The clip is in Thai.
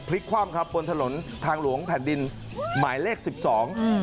คว่ำครับบนถนนทางหลวงแผ่นดินหมายเลขสิบสองอืม